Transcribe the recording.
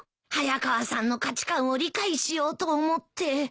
早川さんの価値観を理解しようと思って。